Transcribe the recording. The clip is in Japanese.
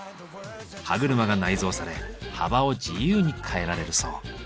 歯車が内蔵され幅を自由に変えられるそう。